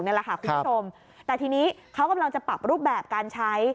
คุณผู้ชมแต่ทีนี้เขากำลังจะปรับรูปแบบการใช้